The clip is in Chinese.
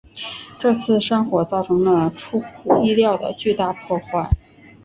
这次山火造成了出乎意料的巨大破坏。